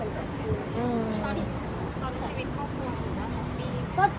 ตอนที่ชีวิตครอบครัวหรือขอบคุณพี่